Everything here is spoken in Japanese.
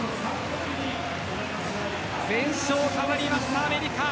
全勝しましたアメリカ。